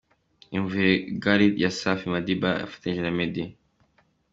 Iyumvire Got it ya Safi Madiba yafatanije na Meddy.